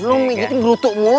lu nginjitin gelutuk mulu